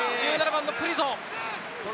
１７番のプリゾ。